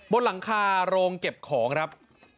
บนหลังคาโรงเก็บของครับ